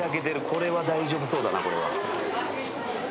これは大丈夫そうだな。